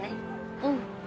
うん。